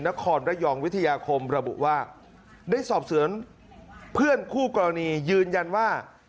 นครระยองวิทยาคมระบุว่าได้สอบสวนเพื่อนคู่กรณียืนยันว่า